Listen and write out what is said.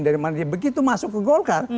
dari mana dia begitu masuk ke golkar